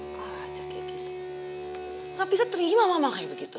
nggak bisa terima mama kayak begitu